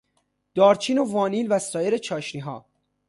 دارچین و وانیل و سایر چاشنیها